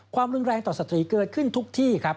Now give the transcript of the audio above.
ความรุนแรงต่อสตรีเกิดขึ้นทุกที่ครับ